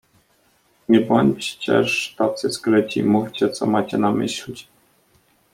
"Nie bądźcież tacy skryci, mówcie co macie na myśli."